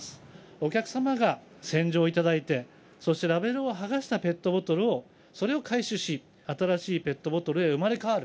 お客様が洗浄いただいて、そしてラベルを剥がしたペットボトルを、それを回収し、新しいペットボトルへ生まれ変わる。